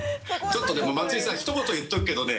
ちょっとでも松井さんひと言言っておくけどね。